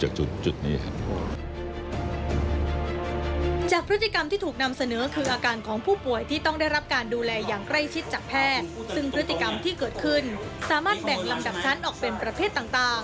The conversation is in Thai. สามารถแบ่งลำดำชั้นออกเป็นประเภทต่าง